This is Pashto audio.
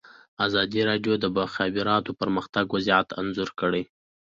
ازادي راډیو د د مخابراتو پرمختګ وضعیت انځور کړی.